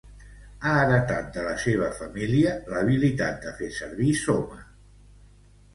Ha heretat de la seua família l'habilitat de fer servir Soma.